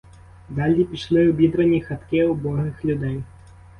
Далі пішли обідрані хатки убогих людей.